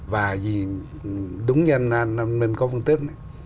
và đúng như anh minh có phân tích